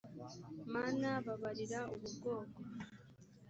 mana babarira ubu bwoko